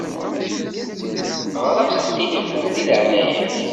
Ɣeṛ-as s tilifun di leɛnaya-k.